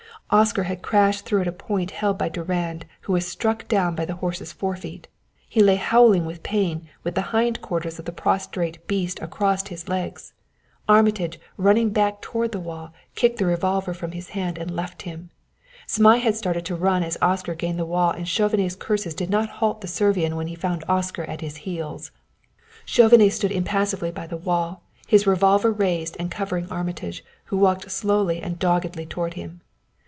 Oscar had crashed through at a point held by Durand, who was struck down by the horse's forefeet. He lay howling with pain, with the hind quarters of the prostrate beast across his legs. Armitage, running back toward the wall, kicked the revolver from his hand and left him. Zmai had started to run as Oscar gained the wall and Chauvenet's curses did not halt the Servian when he found Oscar at his heels. Chauvenet stood impassively by the wall, his revolver raised and covering Armitage, who walked slowly and doggedly toward him.